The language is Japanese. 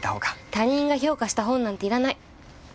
他人が評価した本なんていらない。